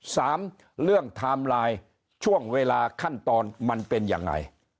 สามเรื่องไทม์ไลน์ช่วงเวลาขั้นตอนมันเป็นยังไง